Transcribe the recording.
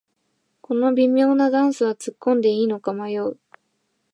この微妙なダンスはつっこんでいいのか迷う